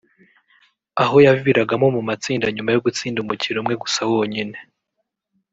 aho yaviragamo mu matsinda nyuma yo gutsinda umukino umwe gusa wonyine